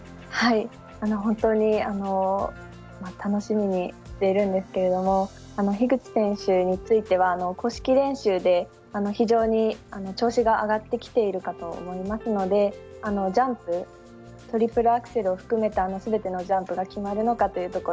本当に楽しみにしているんですけれども樋口選手については公式練習で非常に調子が上がってきているかと思いますのでトリプルアクセルを含めたすべてのジャンプが決まるのか。